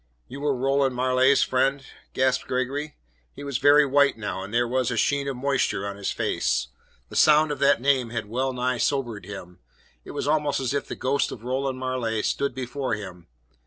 "You were Roland Marleigh's friend?" gasped Gregory. He was very white now, and there was a sheen of moisture on his face. The sound of that name had well nigh sobered him. It was almost as if the ghost of Roland Marleigh stood before him.